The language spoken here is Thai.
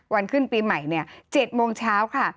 วันขึ้นปีใหม่เนี่ย๗โมงเช้าค่ะ